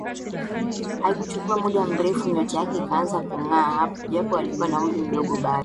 Haikuchukua muda mrefu nyota yake ikaanza kungaa japo alikuwa na umri mdogo bado